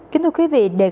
kính thưa quý vị